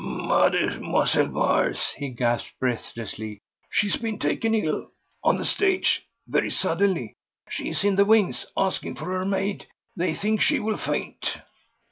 "Mlle. Mars," he gasped breathlessly; "she has been taken ill—on the stage—very suddenly. She is in the wings—asking for her maid. They think she will faint."